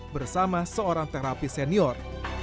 bersama seorang terapi senior